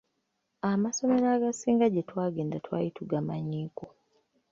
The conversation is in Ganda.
Amasomero agasinga gye twagenda twali tugamanyiiko.